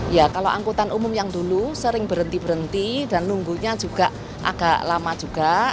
ya kalau angkutan umum yang dulu sering berhenti berhenti dan nunggunya juga agak lama juga